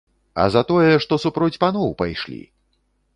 А за тое, што супроць паноў пайшлі!